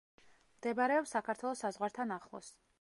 მდებარეობს საქართველოს საზღვართან ახლოს.